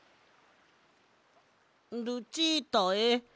「ルチータへ。